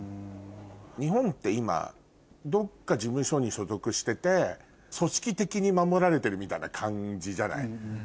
日本って今どっか事務所に所属してて組織的に守られてるみたいな感じじゃない？